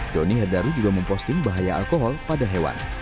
don herdari juga memposting bahaya alkohol pada hewan